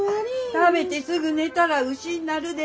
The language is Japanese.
食べてすぐ寝たら牛になるで。